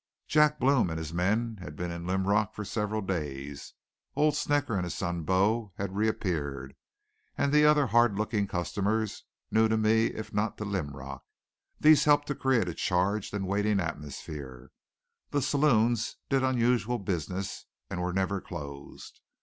Jack Blome and his men had been in Linrock for several days; old Snecker and his son Bo had reappeared, and other hard looking customers, new to me if not to Linrock. These helped to create a charged and waiting atmosphere. The saloons did unusual business and were never closed.